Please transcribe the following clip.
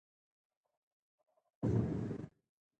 ازادي راډیو د مالي پالیسي په اړه د محلي خلکو غږ خپور کړی.